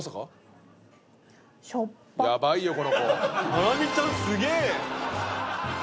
ハラミちゃんすげえ！